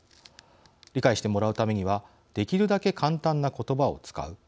理解してもらうためにはできるだけ簡単な言葉を使う。